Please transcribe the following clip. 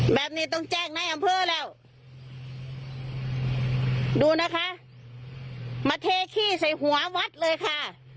แบบนี้ต้องแจ้งในอำเภอแล้วดูนะคะมาเทขี้ใส่หัววัดเลยค่ะ